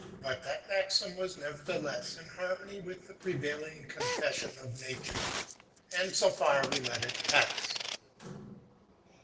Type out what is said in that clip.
But that maxim was neverthe less in harmony with the prevailing confession of nature, and so far we let it pass.